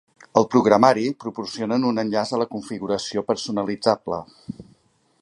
Al programari, proporcionen un enllaç a la configuració personalitzable.